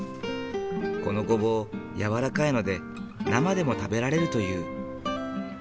このゴボウ軟らかいので生でも食べられるという。